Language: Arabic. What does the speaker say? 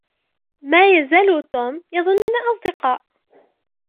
ما يزال توم يظننا أصدقاء.